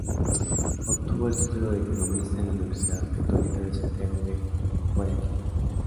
Obtuvo el título de economista en la Universidad Católica de Santiago de Guayaquil.